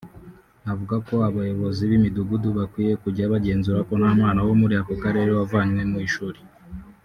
Avuga ko abayobozi b’imidugudu bakwiye kujya bagenzura ko nta mwana wo muri aka karere wavanywe mu ishuri